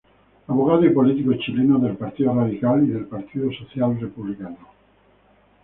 Abogado y político chileno del Partido Radical y del Partido Social Republicano.